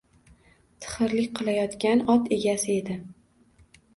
Tixirlik qilayotgan ot egasi edi